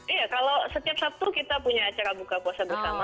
iya kalau setiap sabtu kita punya acara buka puasa bersama